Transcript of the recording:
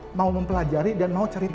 nah itu kita mau mempelajari dan mau ceritakan